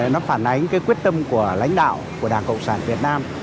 nó phản ánh cái quyết tâm của lãnh đạo của đảng cộng sản việt nam